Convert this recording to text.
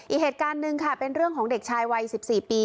อีกเหตุการณ์หนึ่งค่ะเป็นเรื่องของเด็กชายวัย๑๔ปี